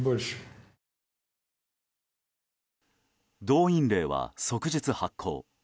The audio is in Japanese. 動員令は即日発効。